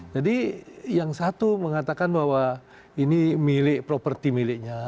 jadi yang satu mengatakan bahwa ini milik properti miliknya